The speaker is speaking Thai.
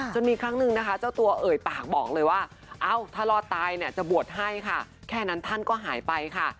มีครั้งหนึ่งนะคะเจ้าตัวเอ่ยปากบอกเลยว่าเอ้าถ้ารอดตายเนี่ยจะบวชให้ค่ะแค่นั้นท่านก็หายไปค่ะ